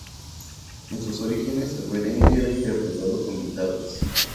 En sus orígenes, el merengue era interpretado con guitarras.